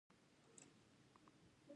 د انګورو د خوشې کرم څنګه ورک کړم؟